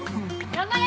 頑張れ！